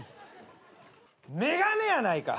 眼鏡やないか！